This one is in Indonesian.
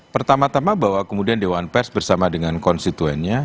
pertama tama bahwa kemudian dewan pers bersama dengan konstituennya